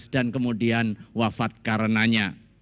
dan kemudian wafat karenanya